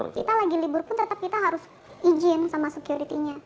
kita lagi libur pun tetap kita harus izin sama security nya